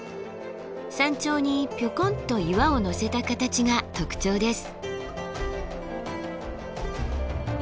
山頂にぴょこんと岩をのせた形が特徴です。